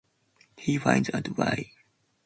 He finds out why.